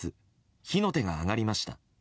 火の手が上がりました。